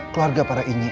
keluarga para inik